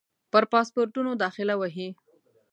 پر پاسپورټونو داخله وهي.